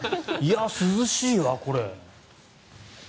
涼しいわ、これ。